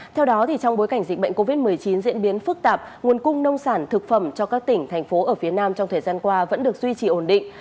theo đó trong bối cảnh dịch bệnh covid một mươi chín diễn biến phức tạp nguồn cung nông sản thực phẩm cho các tỉnh thành phố ở phía nam trong thời gian qua vẫn được duy trì ổn định